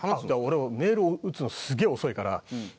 俺メール打つのすげえ遅いから。